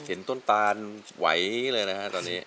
เห็นต้นตานไหวเลยนะฮะตอนนี้